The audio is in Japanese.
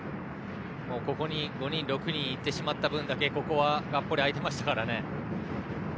ここに５人、６人行ってしまった分だけがっぽり空いていましたね。